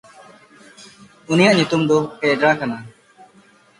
ᱩᱱᱤᱭᱟᱜ ᱧᱩᱛᱩᱢ ᱫᱚ ᱠᱮᱭᱰᱨᱟ ᱠᱟᱱᱟ᱾